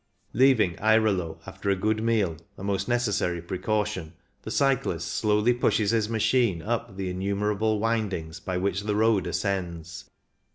Leaving Airolo after a good meal (a most necessary precaution), the cyclist slowly pushes his machine up the innumerable windings by which the road ascends.